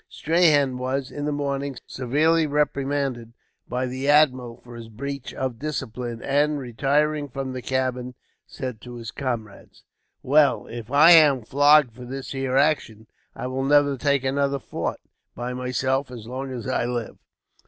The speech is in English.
Strahan was, in the morning, severely reprimanded by the admiral for his breach of discipline; and, retiring from the cabin, said to his comrades: "Well, if I am flogged for this here action, I will never take another fort, by myself, as long as I live."